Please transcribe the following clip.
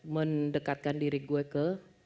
mendekatkan diri gue ke